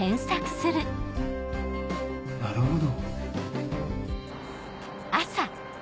なるほど。